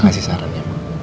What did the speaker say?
makasih saran ya ma